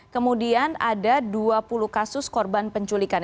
kemudian ada dua puluh kasus korban penculikan